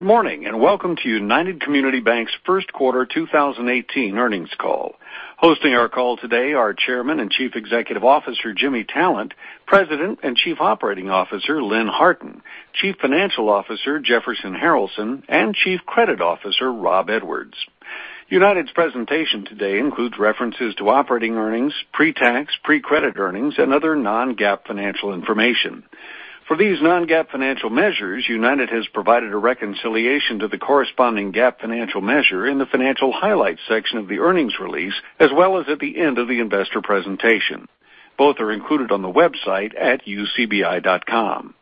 Morning, welcome to United Community Banks' first quarter 2018 earnings call. Hosting our call today are Chairman and Chief Executive Officer, Jimmy Tallent, President and Chief Operating Officer, Lynn Harton, Chief Financial Officer, Jefferson Harralson, and Chief Credit Officer, Rob Edwards. United's presentation today includes references to operating earnings, pre-tax, pre-credit earnings and other non-GAAP financial information. For these non-GAAP financial measures, United has provided a reconciliation to the corresponding GAAP financial measure in the financial highlights section of the earnings release, as well as at the end of the investor presentation. Both are included on the website at ucbi.com.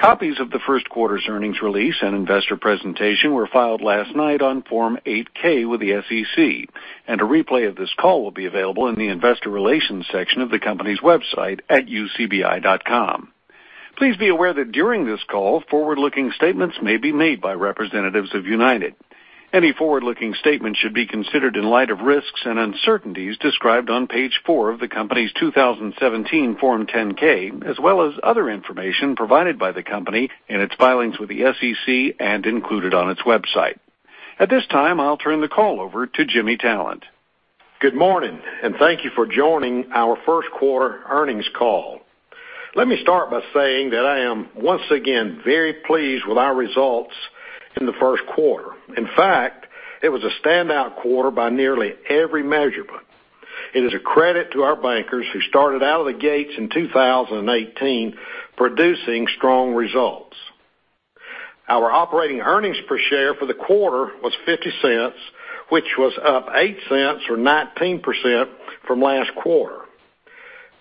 Copies of the first quarter's earnings release and investor presentation were filed last night on Form 8-K with the SEC, a replay of this call will be available in the investor relations section of the company's website at ucbi.com. Please be aware that during this call, forward-looking statements may be made by representatives of United. Any forward-looking statement should be considered in light of risks and uncertainties described on page four of the company's 2017 Form 10-K, as well as other information provided by the company in its filings with the SEC and included on its website. At this time, I'll turn the call over to Jimmy Tallent. Good morning, thank you for joining our first quarter earnings call. Let me start by saying that I am once again very pleased with our results in the first quarter. In fact, it was a standout quarter by nearly every measurement. It is a credit to our bankers who started out of the gates in 2018 producing strong results. Our operating earnings per share for the quarter was $0.50, which was up $0.08 or 19% from last quarter.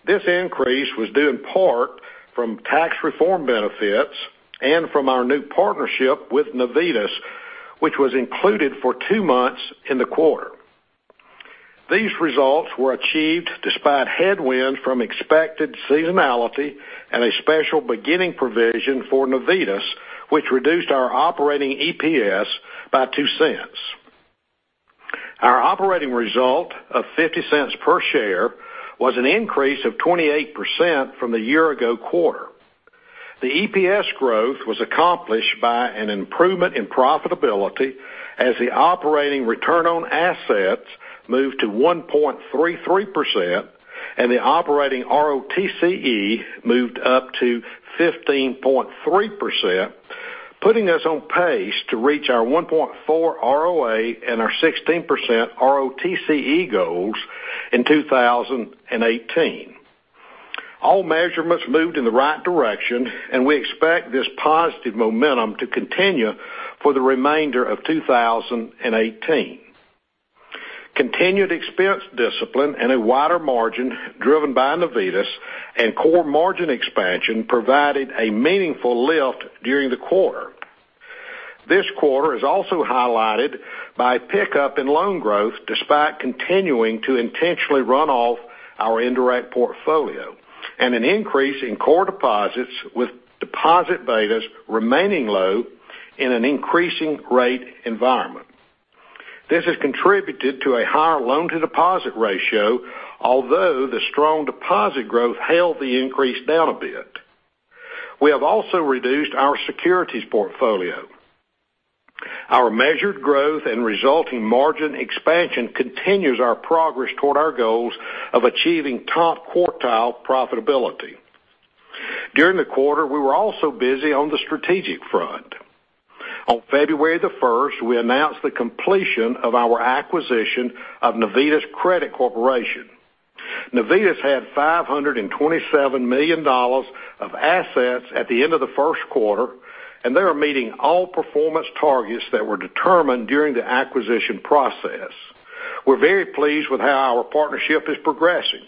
This increase was due in part from tax reform benefits and from our new partnership with Navitas, which was included for two months in the quarter. These results were achieved despite headwinds from expected seasonality and a special beginning provision for Navitas, which reduced our operating EPS by $0.02. Our operating result of $0.50 per share was an increase of 28% from the year-ago quarter. The EPS growth was accomplished by an improvement in profitability as the operating return on assets moved to 1.33%, the operating ROTCE moved up to 15.3%, putting us on pace to reach our 1.4 ROA and our 16% ROTCE goals in 2018. All measurements moved in the right direction, we expect this positive momentum to continue for the remainder of 2018. Continued expense discipline and a wider margin driven by Navitas and core margin expansion provided a meaningful lift during the quarter. This quarter is also highlighted by pickup in loan growth, despite continuing to intentionally run off our indirect portfolio and an increase in core deposits, with deposit betas remaining low in an increasing rate environment. This has contributed to a higher loan-to-deposit ratio, although the strong deposit growth held the increase down a bit. We have also reduced our securities portfolio. Our measured growth and resulting margin expansion continues our progress toward our goals of achieving top quartile profitability. During the quarter, we were also busy on the strategic front. On February the 1st, we announced the completion of our acquisition of Navitas Credit Corporation. Navitas had $527 million of assets at the end of the first quarter, and they are meeting all performance targets that were determined during the acquisition process. We're very pleased with how our partnership is progressing.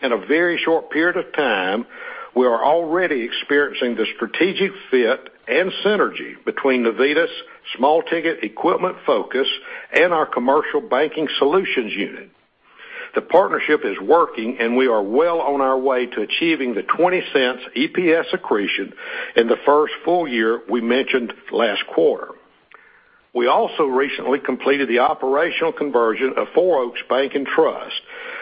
In a very short period of time, we are already experiencing the strategic fit and synergy between Navitas small ticket equipment focus and our commercial banking solutions unit. The partnership is working, and we are well on our way to achieving the $0.20 EPS accretion in the first full year we mentioned last quarter. We also recently completed the operational conversion of Four Oaks Bank and Trust,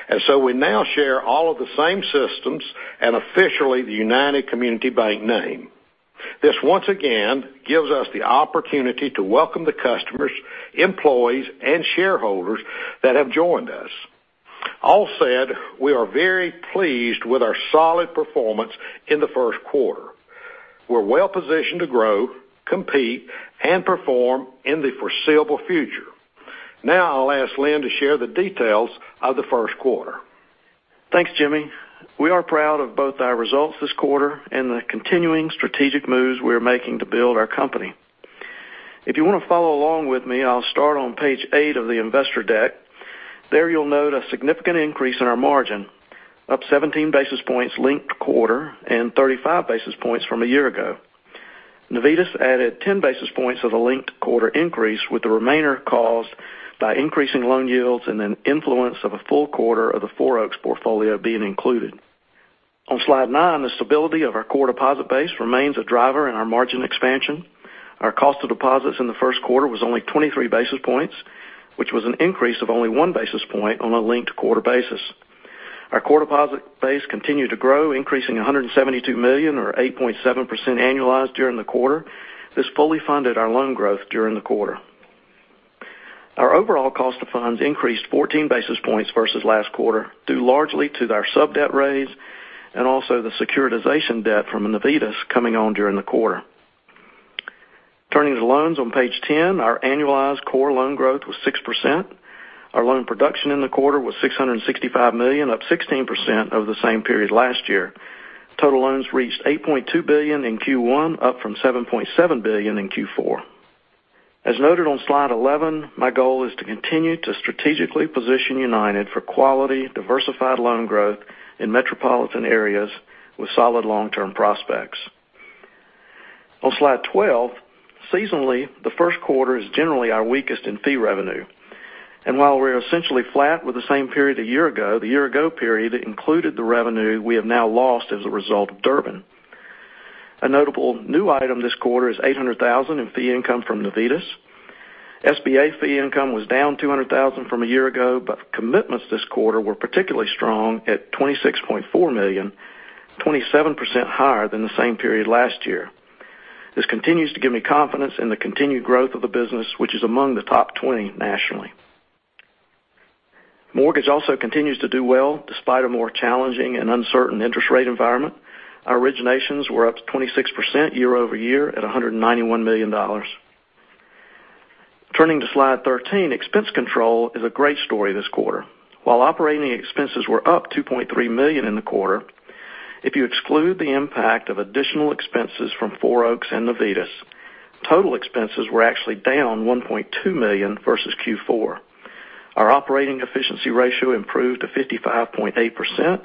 and so we now share all of the same systems and officially the United Community Bank name. This once again gives us the opportunity to welcome the customers, employees, and shareholders that have joined us. All said, we are very pleased with our solid performance in the first quarter. We're well positioned to grow, compete, and perform in the foreseeable future. Now, I'll ask Lynn to share the details of the first quarter. Thanks, Jimmy. We are proud of both our results this quarter and the continuing strategic moves we are making to build our company. If you want to follow along with me, I'll start on page eight of the investor deck. There you'll note a significant increase in our margin, up 17 basis points linked quarter and 35 basis points from a year ago. Navitas added 10 basis points of the linked quarter increase, with the remainder caused by increasing loan yields and an influence of a full quarter of the Four Oaks portfolio being included. On slide nine, the stability of our core deposit base remains a driver in our margin expansion. Our cost of deposits in the first quarter was only 23 basis points, which was an increase of only one basis point on a linked quarter basis. Our core deposit base continued to grow, increasing $172 million, or 8.7% annualized during the quarter. This fully funded our loan growth during the quarter. Our overall cost of funds increased 14 basis points versus last quarter, due largely to our sub-debt raise and also the securitization debt from Navitas coming on during the quarter. Turning to loans on Page 10, our annualized core loan growth was 6%. Our loan production in the quarter was $665 million, up 16% over the same period last year. Total loans reached $8.2 billion in Q1, up from $7.7 billion in Q4. As noted on Slide 11, my goal is to continue to strategically position United for quality, diversified loan growth in metropolitan areas with solid long-term prospects. On Slide 12, seasonally, the first quarter is generally our weakest in fee revenue. While we're essentially flat with the same period a year ago, the year-ago period included the revenue we have now lost as a result of Durbin. A notable new item this quarter is $800,000 in fee income from Navitas. SBA fee income was down $200,000 from a year ago, but commitments this quarter were particularly strong at $26.4 million, 27% higher than the same period last year. This continues to give me confidence in the continued growth of the business, which is among the top 20 nationally. Mortgage also continues to do well, despite a more challenging and uncertain interest rate environment. Our originations were up to 26% year-over-year at $191 million. Turning to Slide 13, expense control is a great story this quarter. While operating expenses were up $2.3 million in the quarter, if you exclude the impact of additional expenses from Four Oaks and Navitas, total expenses were actually down $1.2 million versus Q4. Our operating efficiency ratio improved to 55.8%,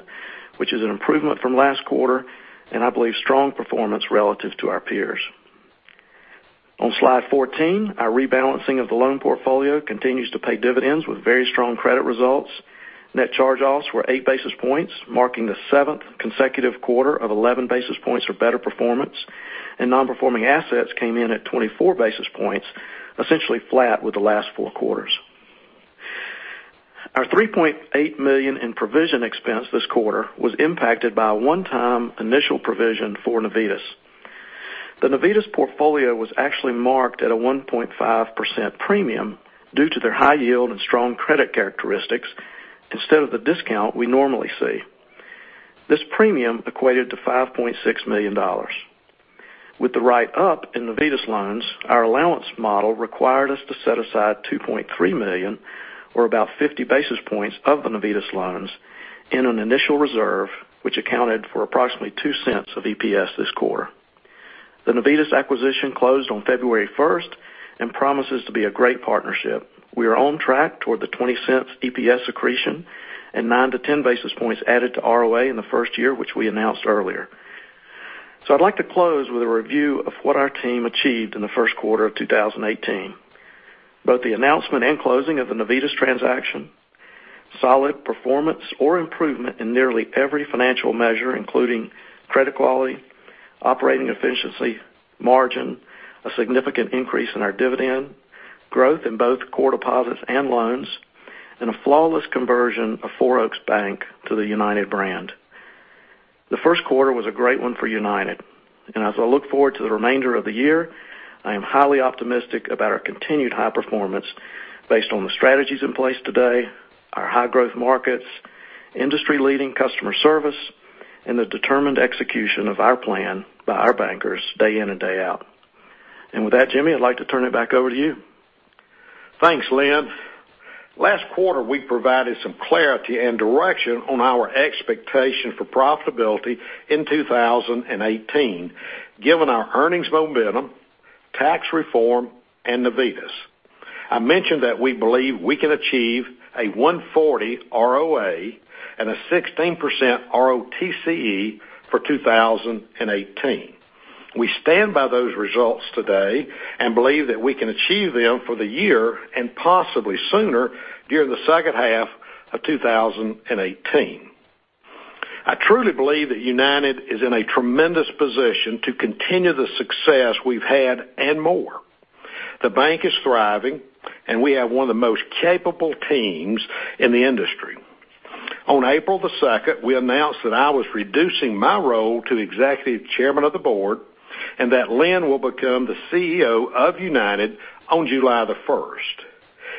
which is an improvement from last quarter, and I believe strong performance relative to our peers. On Slide 14, our rebalancing of the loan portfolio continues to pay dividends with very strong credit results. Net charge-offs were eight basis points, marking the seventh consecutive quarter of 11 basis points or better performance, and non-performing assets came in at 24 basis points, essentially flat with the last four quarters. Our $3.8 million in provision expense this quarter was impacted by a one-time initial provision for Navitas. The Navitas portfolio was actually marked at a 1.5% premium due to their high yield and strong credit characteristics, instead of the discount we normally see. This premium equated to $5.6 million. With the write-up in Navitas loans, our allowance model required us to set aside $2.3 million, or about 50 basis points of the Navitas loans in an initial reserve, which accounted for approximately $0.02 of EPS this quarter. The Navitas acquisition closed on February 1st and promises to be a great partnership. We are on track toward the $0.20 EPS accretion and nine to 10 basis points added to ROA in the first year, which we announced earlier. I'd like to close with a review of what our team achieved in the first quarter of 2018. Both the announcement and closing of the Navitas transaction, solid performance or improvement in nearly every financial measure, including credit quality, operating efficiency, margin, a significant increase in our dividend, growth in both core deposits and loans, and a flawless conversion of Four Oaks Bank to the United brand. The first quarter was a great one for United, and as I look forward to the remainder of the year, I am highly optimistic about our continued high performance based on the strategies in place today, our high-growth markets, industry-leading customer service, and the determined execution of our plan by our bankers day in and day out. With that, Jimmy, I'd like to turn it back over to you. Thanks, Lynn. Last quarter, we provided some clarity and direction on our expectation for profitability in 2018, given our earnings momentum, tax reform, and Navitas. I mentioned that we believe we can achieve a 1.40 ROA and a 16% ROTCE for 2018. We stand by those results today and believe that we can achieve them for the year and possibly sooner during the second half of 2018. I truly believe that United is in a tremendous position to continue the success we've had and more. The bank is thriving, and we have one of the most capable teams in the industry. On April the 2nd, we announced that I was reducing my role to Executive Chairman of the Board, and that Lynn will become the CEO of United on July the 1st.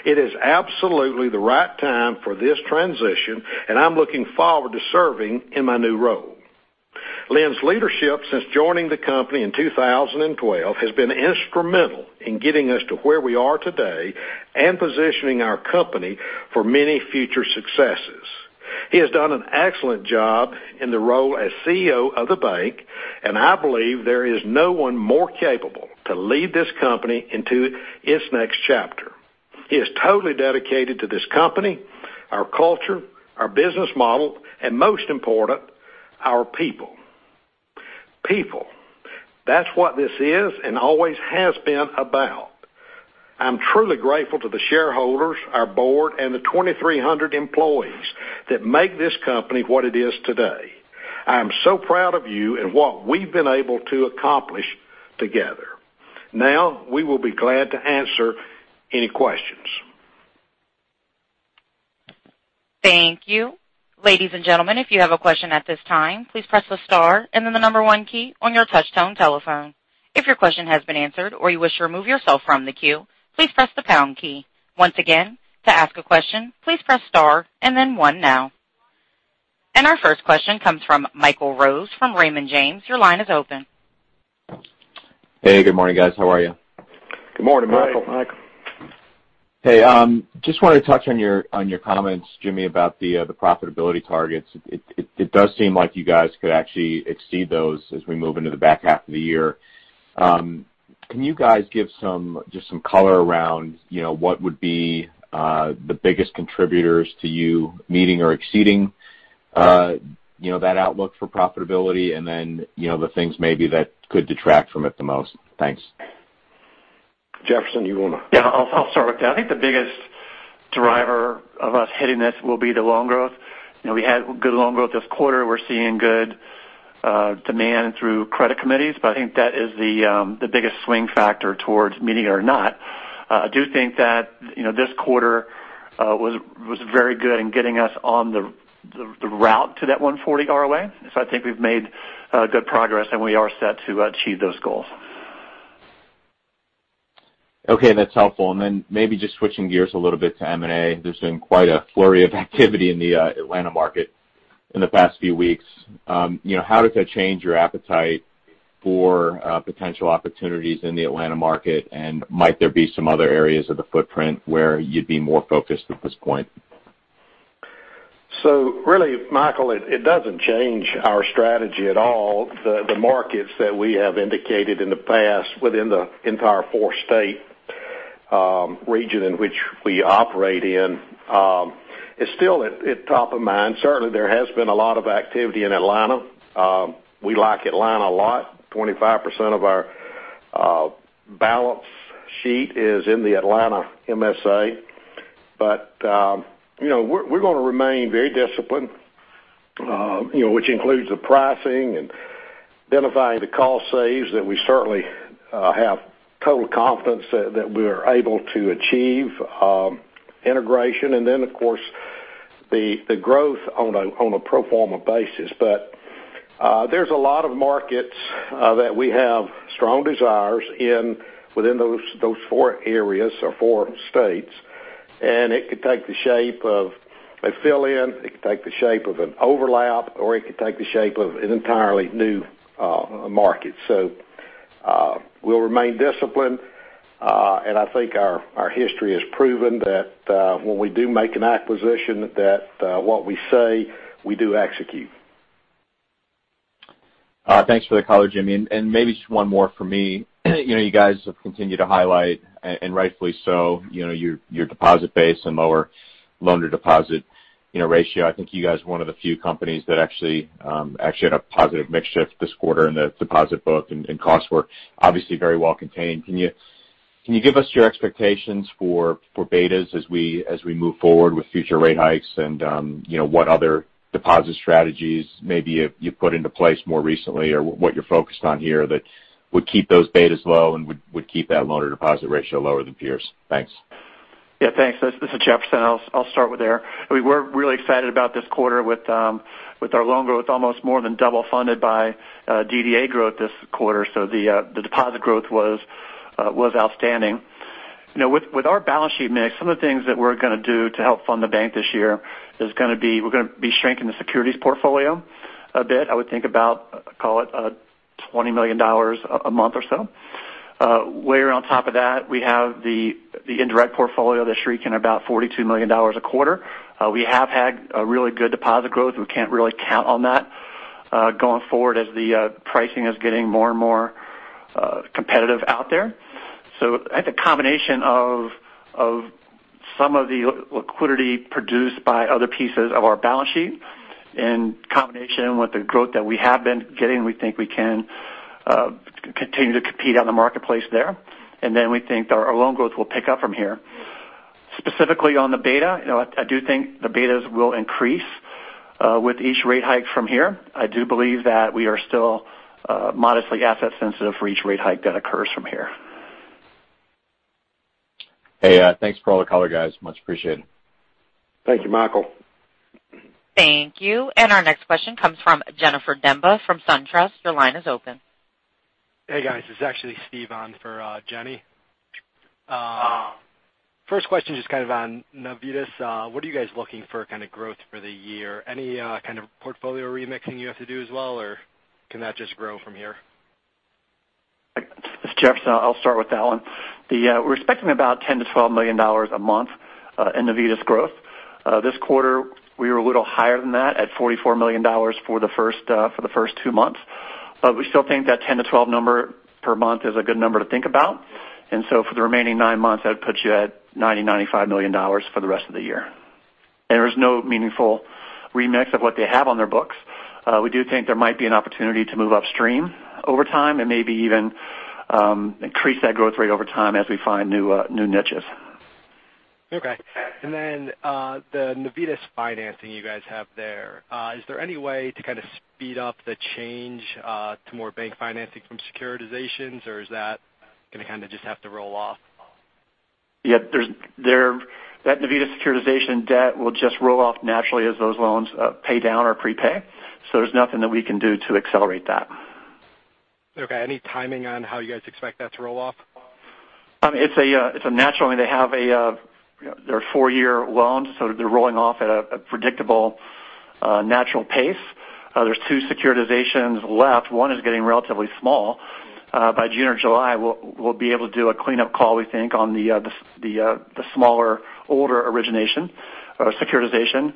It is absolutely the right time for this transition, and I'm looking forward to serving in my new role. Lynn's leadership since joining the company in 2012 has been instrumental in getting us to where we are today and positioning our company for many future successes. He has done an excellent job in the role as CEO of the bank, and I believe there is no one more capable to lead this company into its next chapter. He is totally dedicated to this company, our culture, our business model, and most important, our people. People, that's what this is and always has been about. I'm truly grateful to the shareholders, our board, and the 2,300 employees that make this company what it is today. I am so proud of you and what we've been able to accomplish together. Now, we will be glad to answer any questions. Thank you. Ladies and gentlemen, if you have a question at this time, please press the star and then the number 1 key on your touch-tone telephone. If your question has been answered or you wish to remove yourself from the queue, please press the pound key. Once again, to ask a question, please press star and then 1 now. Our first question comes from Michael Rose from Raymond James, your line is open. Hey, good morning, guys. How are you? Good morning, Michael. Good morning, Michael. Hey, just wanted to touch on your comments, Jimmy, about the profitability targets. It does seem like you guys could actually exceed those as we move into the back half of the year. Can you guys give just some color around what would be the biggest contributors to you meeting or exceeding that outlook for profitability and then the things maybe that could detract from it the most? Thanks. Jefferson, you want to? Yeah, I'll start with that. I think the biggest driver of us hitting this will be the loan growth. We had good loan growth this quarter. We're seeing good demand through credit committees, but I think that is the biggest swing factor towards meeting it or not. I do think that this quarter was very good in getting us on the route to that 1.40 ROA. I think we've made good progress, and we are set to achieve those goals. Okay, that's helpful. Maybe just switching gears a little bit to M&A. There's been quite a flurry of activity in the Atlanta market in the past few weeks. How does that change your appetite for potential opportunities in the Atlanta market? Might there be some other areas of the footprint where you'd be more focused at this point? Really, Michael, it doesn't change our strategy at all. The markets that we have indicated in the past within the entire four-state region in which we operate in is still at top of mind. Certainly, there has been a lot of activity in Atlanta. We like Atlanta a lot. 25% of our balance sheet is in the Atlanta MSA. We're going to remain very disciplined which includes the pricing and identifying the cost saves that we certainly have total confidence that we are able to achieve integration. Then, of course, the growth on a pro forma basis. There's a lot of markets that we have strong desires in within those four areas or four states, and it could take the shape of a fill-in, it could take the shape of an overlap, or it could take the shape of an entirely new market. We'll remain disciplined, and I think our history has proven that when we do make an acquisition, that what we say, we do execute. All right. Thanks for the color, Jimmy. Maybe just one more for me. You guys have continued to highlight, and rightfully so, your deposit base and lower loan-to-deposit ratio. I think you guys are one of the few companies that actually had a positive mix shift this quarter in the deposit book, and costs were obviously very well contained. Can you give us your expectations for betas as we move forward with future rate hikes and what other deposit strategies maybe you've put into place more recently or what you're focused on here that would keep those betas low and would keep that loan-to-deposit ratio lower than peers? Thanks. Yeah, thanks. This is Jefferson. I'll start with there. We're really excited about this quarter with our loan growth almost more than double funded by DDA growth this quarter, so the deposit growth was outstanding. With our balance sheet mix, some of the things that we're going to do to help fund the bank this year is we're going to be shrinking the securities portfolio a bit. I would think about, call it $20 million a month or so. Layer on top of that, we have the indirect portfolio that's shrinking about $42 million a quarter. We have had a really good deposit growth. We can't really count on that going forward as the pricing is getting more and more competitive out there. I think a combination of some of the liquidity produced by other pieces of our balance sheet in combination with the growth that we have been getting, we think we can continue to compete on the marketplace there. We think our loan growth will pick up from here. Specifically on the beta, I do think the betas will increase with each rate hike from here. I do believe that we are still modestly asset sensitive for each rate hike that occurs from here. Hey, thanks for all the color, guys. Much appreciated. Thank you, Michael. Thank you. Our next question comes from Jennifer Demba from SunTrust. Your line is open. Hey, guys. This is actually Steve on for Jenny. First question, just on Navitas. What are you guys looking for kind of growth for the year? Any kind of portfolio remixing you have to do as well, or can that just grow from here? This is Jefferson. I will start with that one. We are expecting about $10 million-$12 million a month in Navitas growth. This quarter, we were a little higher than that at $44 million for the first two months. We still think that 10 to 12 number per month is a good number to think about. So for the remaining nine months, that would put you at $90 million-$95 million for the rest of the year. There is no meaningful remix of what they have on their books. We do think there might be an opportunity to move upstream over time and maybe even increase that growth rate over time as we find new niches. Okay. Then the Navitas financing you guys have there, is there any way to kind of speed up the change to more bank financing from securitizations, or is that going to kind of just have to roll off? Yeah. That Navitas securitization debt will just roll off naturally as those loans pay down or prepay. There's nothing that we can do to accelerate that. Okay. Any timing on how you guys expect that to roll off? It's a natural. They have their four-year loans, they're rolling off at a predictable, natural pace. There's two securitizations left. One is getting relatively small. By June or July, we'll be able to do a cleanup call, we think, on the smaller, older origination or securitization.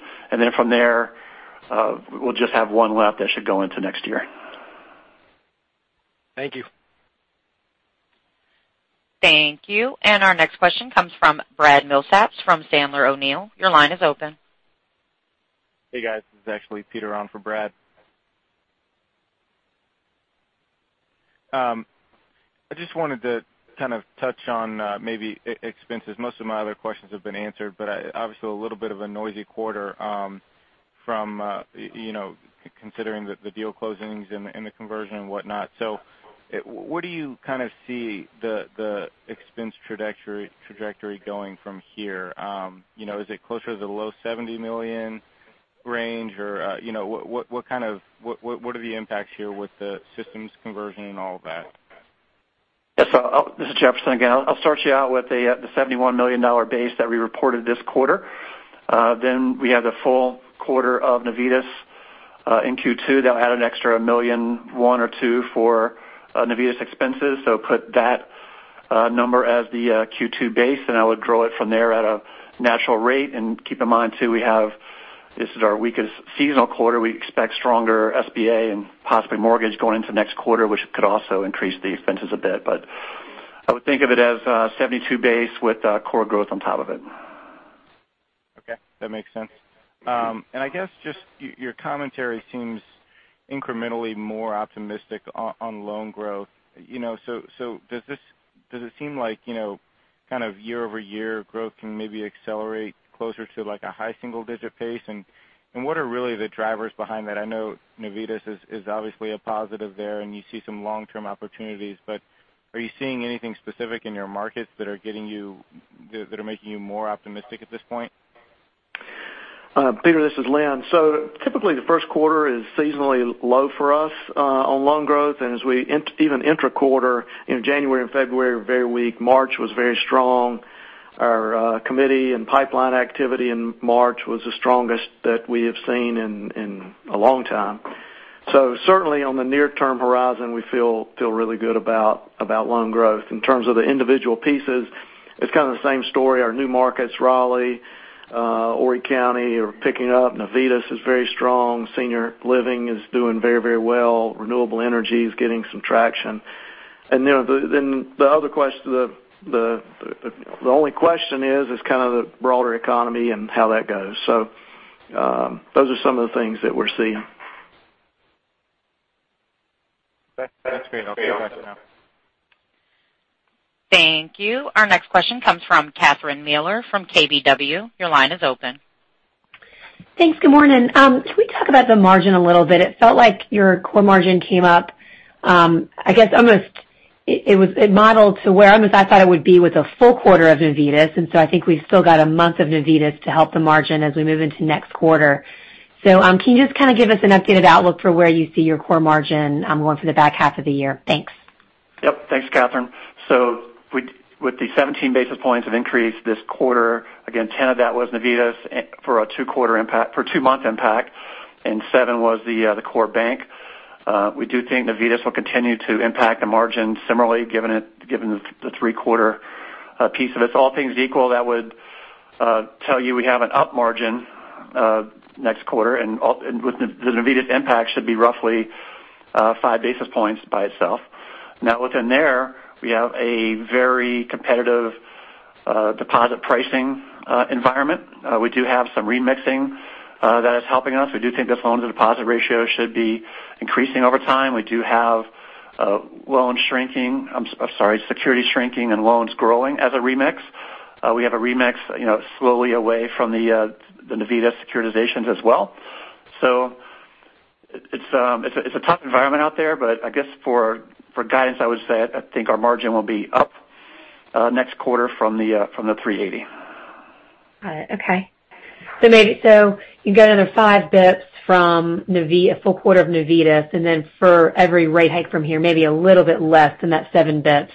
From there, we'll just have one left that should go into next year. Thank you. Thank you. Our next question comes from Brad Milsaps from Sandler O'Neill. Your line is open. Hey, guys. This is actually Peter on for Brad. I just wanted to kind of touch on maybe expenses. Most of my other questions have been answered, but obviously, a little bit of a noisy quarter from considering the deal closings and the conversion and whatnot. Where do you kind of see the expense trajectory going from here? Is it closer to the low $70 million range, or what are the impacts here with the systems conversion and all of that? Yes. This is Jefferson Harralson, again. I'll start you out with the $71 million base that we reported this quarter. We have the full quarter of Navitas in Q2. That'll add an extra million, one or two for Navitas expenses. Put that number as the Q2 base, I would grow it from there at a natural rate. Keep in mind, too, this is our weakest seasonal quarter. We expect stronger SBA and possibly mortgage going into next quarter, which could also increase the expenses a bit. I would think of it as a $72 base with core growth on top of it. Okay. That makes sense. I guess just your commentary seems incrementally more optimistic on loan growth. Does it seem like kind of year-over-year growth can maybe accelerate closer to a high single-digit pace? What are really the drivers behind that? I know Navitas is obviously a positive there, and you see some long-term opportunities, are you seeing anything specific in your markets that are making you more optimistic at this point? Peter, this is Lynn. Typically, the first quarter is seasonally low for us on loan growth. As we even intra-quarter, January and February were very weak. March was very strong. Our committee and pipeline activity in March was the strongest that we have seen in a long time. Certainly, on the near-term horizon, we feel really good about loan growth. In terms of the individual pieces, it's kind of the same story. Our new markets, Raleigh, Horry County, are picking up. Navitas is very strong. Senior living is doing very well. Renewable energy is getting some traction. The only question is kind of the broader economy and how that goes. Those are some of the things that we're seeing. That's great. Okay. Thanks. Thank you. Our next question comes from Catherine Mealor from KBW. Your line is open. Thanks. Good morning. Can we talk about the margin a little bit? It felt like your core margin came up. I guess almost it modeled to where almost I thought it would be with a full quarter of Navitas. I think we've still got a month of Navitas to help the margin as we move into next quarter. Can you just kind of give us an updated outlook for where you see your core margin going for the back half of the year? Thanks. Yep. Thanks, Catherine. With the 17 basis points of increase this quarter, again, 10 of that was Navitas for a two-month impact, and seven was the core bank. We do think Navitas will continue to impact the margin similarly, given the three-quarter piece of it. All things equal, that would tell you we have an up margin next quarter, and the Navitas impact should be roughly five basis points by itself. Now, within there, we have a very competitive deposit pricing environment. We do have some remixing that is helping us. We do think this loan-to-deposit ratio should be increasing over time. We do have securities shrinking and loans growing as a remix. We have a remix slowly away from the Navitas securitizations as well. It's a tough environment out there, but I guess for guidance, I would say I think our margin will be up next quarter from the 380. Got it. Okay. You've got another five basis points from a full quarter of Navitas, and then for every rate hike from here, maybe a little bit less than that seven basis points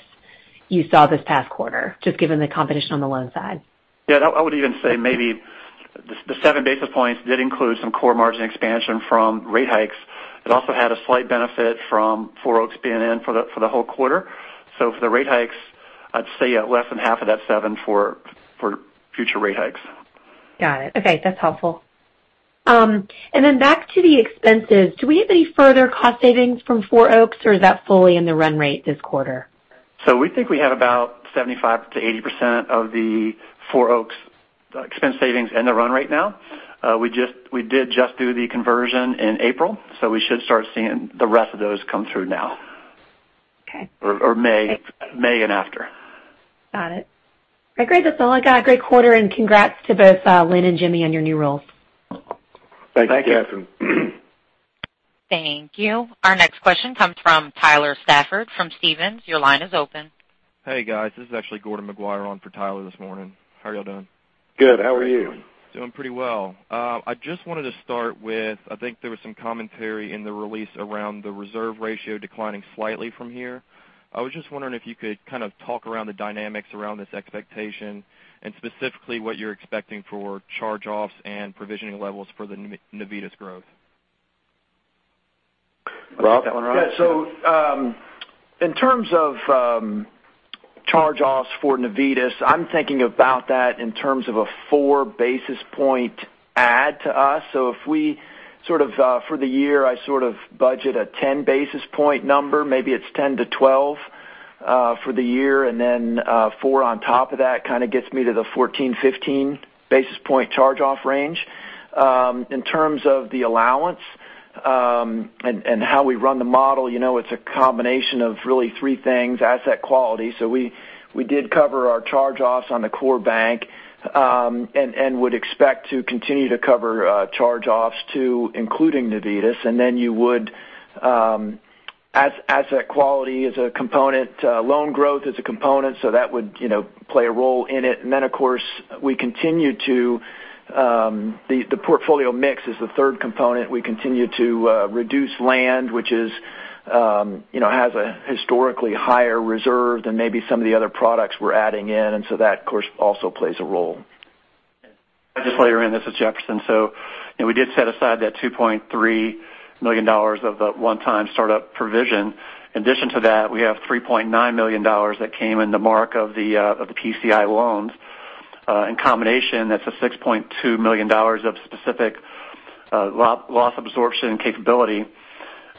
you saw this past quarter, just given the competition on the loan side. Yeah. I would even say maybe the 7 basis points did include some core margin expansion from rate hikes. It also had a slight benefit from Four Oaks being in for the whole quarter. For the rate hikes, I'd say less than half of that 7 for future rate hikes. Got it. Okay. That's helpful. Back to the expenses, do we have any further cost savings from Four Oaks, or is that fully in the run rate this quarter? We think we have about 75%-80% of the Four Oaks expense savings in the run rate now. We did just do the conversion in April, we should start seeing the rest of those come through now. Or May. May and after. Got it. Great. That's all I got. Great quarter, congrats to both Lynn and Jimmy on your new roles. Thank you. Thank you. Thank you. Our next question comes from Tyler Stafford from Stephens. Your line is open. Hey, guys. This is actually Gordon McGuire on for Tyler this morning. How are you all doing? Good. How are you? Doing pretty well. I just wanted to start with, I think there was some commentary in the release around the reserve ratio declining slightly from here. I was just wondering if you could kind of talk around the dynamics around this expectation and specifically what you're expecting for charge-offs and provisioning levels for the Navitas growth. Rob. Yeah. In terms of charge-offs for Navitas, I'm thinking about that in terms of a four basis point add to us. If we sort of, for the year, I sort of budget a 10 basis point number, maybe it's 10 to 12 for the year, then four on top of that kind of gets me to the 14, 15 basis point charge-off range. In terms of the allowance, and how we run the model, it's a combination of really three things, asset quality. We did cover our charge-offs on the core bank, and would expect to continue to cover charge-offs to including Navitas. Asset quality is a component, loan growth is a component, so that would play a role in it. Of course, the portfolio mix is the third component. We continue to reduce land, which has a historically higher reserve than maybe some of the other products we're adding in. That, of course, also plays a role. Just later in, this is Jefferson. We did set aside that $2.3 million of the one-time startup provision. In addition to that, we have $3.9 million that came in the mark of the PCI loans. In combination, that's a $6.2 million of specific loss absorption capability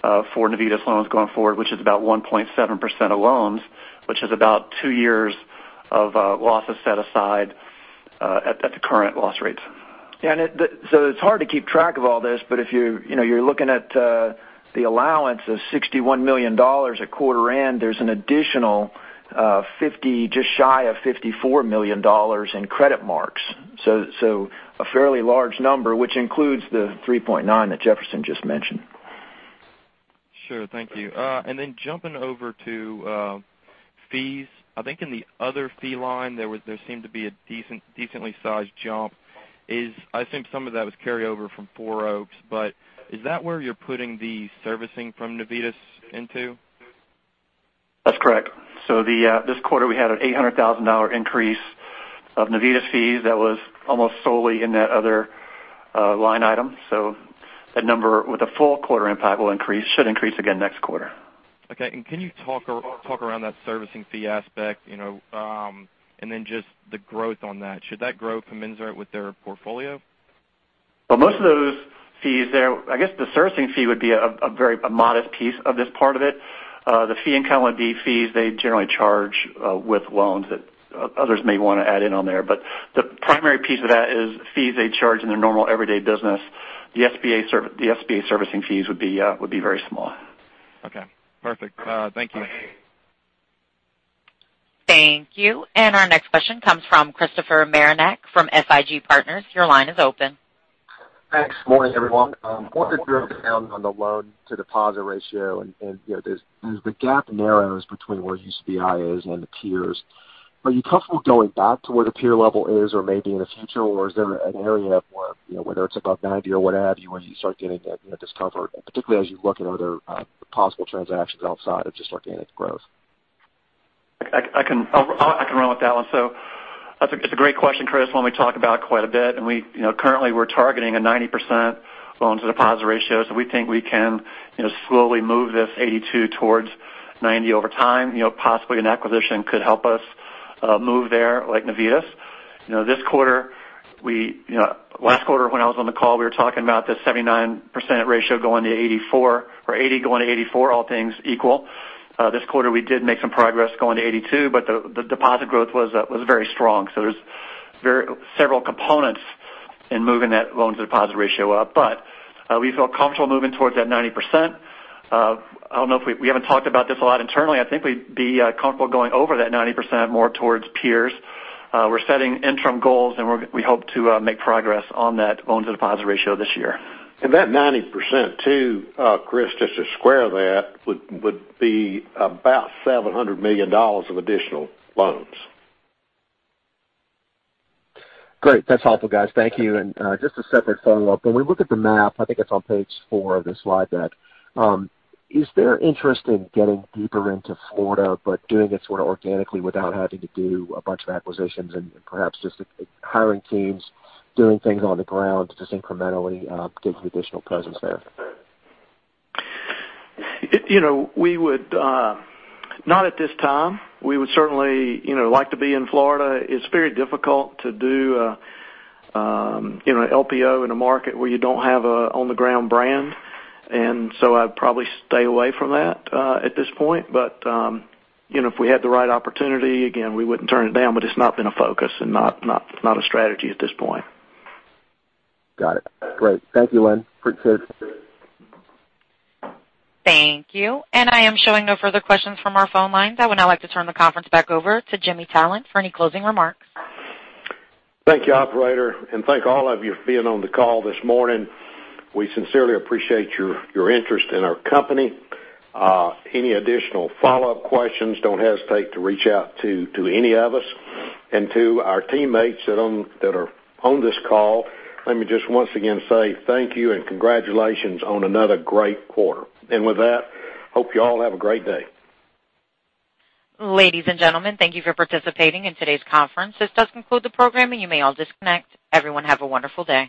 for Navitas loans going forward, which is about 1.7% of loans, which is about two years of losses set aside at the current loss rates. It's hard to keep track of all this, if you're looking at the allowance of $61 million at quarter end, there's an additional just shy of $54 million in credit marks. A fairly large number, which includes the $3.9 that Jefferson just mentioned. Sure. Thank you. Jumping over to fees, I think in the other fee line, there seemed to be a decently sized jump. I think some of that was carryover from Four Oaks, is that where you're putting the servicing from Navitas into? That's correct. This quarter, we had an $800,000 increase of Navitas fees that was almost solely in that other line item. That number with a full quarter impact will increase, should increase again next quarter. Okay. Can you talk around that servicing fee aspect, and then just the growth on that? Should that grow commensurate with their portfolio? Most of those fees there, I guess the servicing fee would be a very modest piece of this part of it. The fee income would be fees they generally charge with loans that others may want to add in on there. The primary piece of that is fees they charge in their normal everyday business. The SBA servicing fees would be very small. Okay, perfect. Thank you. Thank you. Our next question comes from Christopher Marinac from FIG Partners. Your line is open. Thanks. Morning, everyone. I wonder if you could expound on the loan to deposit ratio as the gap narrows between where UCBI is and the peers. Are you comfortable going back to where the peer level is or maybe in the future, or is there an area where, whether it's above 90 or what have you, where you start getting that discomfort, and particularly as you look at other possible transactions outside of just organic growth? I can run with that one. It's a great question, Chris. One we talk about quite a bit. Currently we're targeting a 90% loan to deposit ratio. We think we can slowly move this 82 towards 90 over time. Possibly an acquisition could help us move there like Navitas. Last quarter when I was on the call, we were talking about this 79% ratio going to 84, or 80 going to 84, all things equal. This quarter, we did make some progress going to 82, the deposit growth was very strong. There's several components in moving that loan to deposit ratio up. We feel comfortable moving towards that 90%. I don't know if we haven't talked about this a lot internally. I think we'd be comfortable going over that 90% more towards peers. We're setting interim goals, we hope to make progress on that loans to deposit ratio this year. That 90%, too, Chris, just to square that, would be about $700 million of additional loans. Great. That's helpful, guys. Thank you. Just a separate follow-up. When we look at the map, I think it's on page four of the slide deck. Is there interest in getting deeper into Florida, but doing it sort of organically without having to do a bunch of acquisitions and perhaps just hiring teams, doing things on the ground, just incrementally give you additional presence there? Not at this time. We would certainly like to be in Florida. It's very difficult to do an LPO in a market where you don't have an on the ground brand. So I'd probably stay away from that at this point. If we had the right opportunity, again, we wouldn't turn it down, it's not been a focus and not a strategy at this point. Got it. Great. Thank you, Lynn. Appreciate it. Thank you. I am showing no further questions from our phone lines. I would now like to turn the conference back over to Jimmy Tallent for any closing remarks. Thank you, operator. Thank all of you for being on the call this morning. We sincerely appreciate your interest in our company. Any additional follow-up questions, don't hesitate to reach out to any of us. To our teammates that are on this call, let me just once again say thank you and congratulations on another great quarter. With that, hope you all have a great day. Ladies and gentlemen, thank you for participating in today's conference. This does conclude the program, and you may all disconnect. Everyone have a wonderful day.